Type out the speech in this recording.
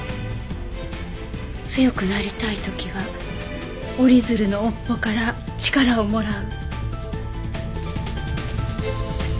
「強くなりたい時は折り鶴の尾っぽから力をもらう」。